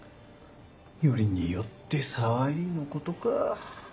よりによって沢入のことか。